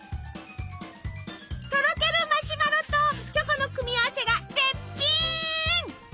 とろけるマシュマロとチョコの組み合わせが絶品！